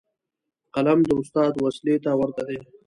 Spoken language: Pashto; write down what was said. قلم د استاد وسلې ته ورته دی.